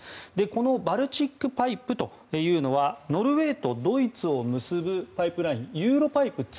このバルチック・パイプというのはノルウェーとドイツを結ぶパイプラインユーロパイプ２。